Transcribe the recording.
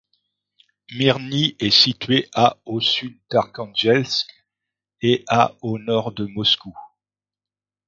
Mirny est située à au sud d'Arkhangelsk et à au nord de Moscou.